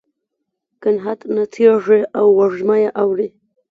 نګهت نڅیږې او وږمه یې اوري